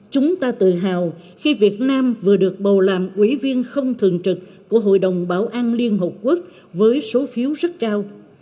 chúng ta tự hào khi việt nam vừa được bầu làm ủy viên không thường trực của hội đồng bảo an liên hợp quốc với số phiếu rất cao